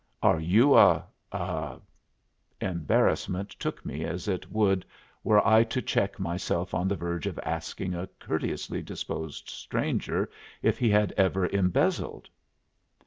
"Are you a a " Embarrassment took me as it would were I to check myself on the verge of asking a courteously disposed stranger if he had ever embezzled.